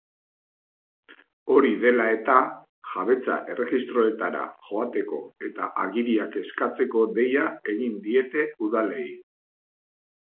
Hori dela eta, jabetza-erregistroetara joateko eta agiriak eskatzeko deia egin diete udalei.